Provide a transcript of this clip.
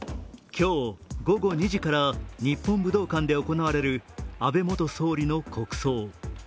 今日午後２時から日本武道館で行われる安倍元総理の国葬。